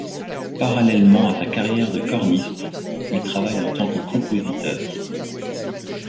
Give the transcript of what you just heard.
Parallèlement à sa carrière de corniste, il travaille en tant que compositeur.